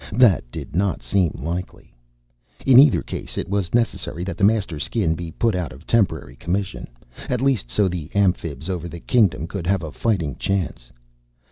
That did not seem likely. In either case, it was necessary that the Master Skin be put out of temporary commission, at least, so the Amphibs over the Kingdom could have a fighting chance.